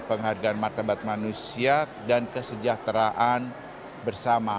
penghargaan martabat manusia dan kesejahteraan bersama